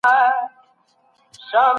خپل مخ په پاکه دستمال وچ کړئ.